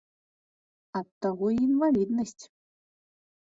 Ад таго й інваліднасць.